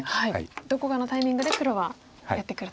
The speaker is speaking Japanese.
どこかのタイミングで黒はやってくると。